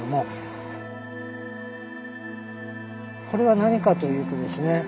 これは何かというとですね